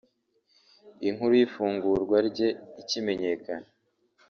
Inkuru y’ifungurwa rye ikimenyekana